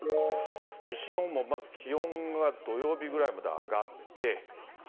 西日本もまず気温が土曜日ぐらいまであがって。